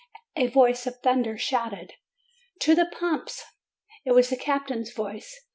A voice of thunder shouted: "To the pumps!" It was the captain's voice.